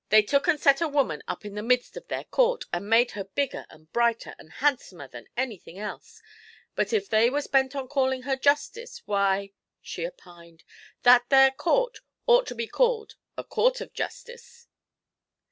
They took an' set a woman up in the midst of their court, and made her bigger and brighter and handsomer than anything else. But if they was bent on calling her Justice, why,' she opined, 'that there court ought to be called a court of justice.'